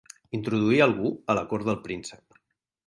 Introduir algú a la cort del príncep.